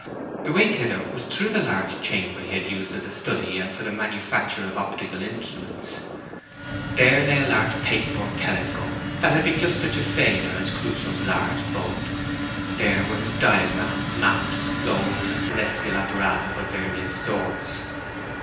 The way thither was through the large chamber he had used as a study and for the manufacture of optical instruments. There lay the large pasteboard telescope, that had been just such a failure as Crusoe's large boat; there were his diagrams, maps, globes, and celestial apparatus of various sorts.